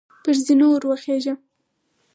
پر زینو وروخیژه !